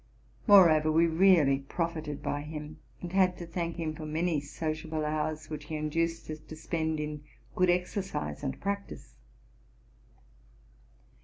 Moreover, we really profited by him, and had to thank him for many socia ble hours, which he induced us to spend in good exercise and practice.